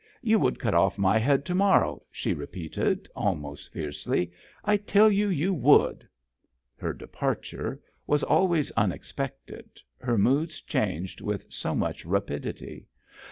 "You would cut off my head to morrow," she repeated, almost fiercely; " I tell you you would." Her departure was always un expected, her moods changed with so much rapidity.